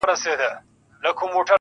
خدای په ژړا دی، خدای پرېشان دی~